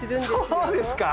そうですか？